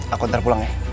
aku ntar pulang ya